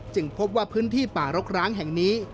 พบว่าพื้นที่ป่ารกร้างแห่งนี้